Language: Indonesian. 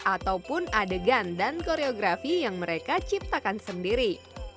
ataupun adegan dan koreografi yang mereka ciptakan sendiri